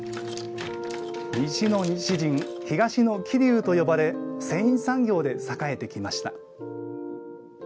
西の西陣、東の桐生と呼ばれ繊維産業で栄えてきました。